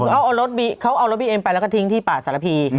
แก้วเขารถบีเขาเอารถบีเองไปแล้วก็ทิ้งที่ป่าสารพี